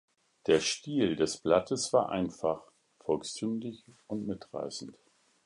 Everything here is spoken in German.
Der Stil des Blattes war einfach, volkstümlich und mitreißend.